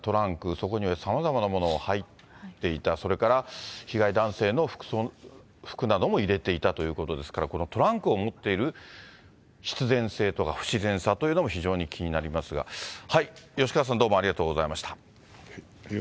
そこにはさまざまなものが入っていた、それから被害男性の服なども入れていたということですから、このトランクを持っている必然性とか、不自然さというのも非常に気になりますが、吉川さん、ありがとうございました。